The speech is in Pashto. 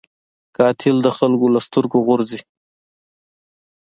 قاتل د خلکو له سترګو غورځي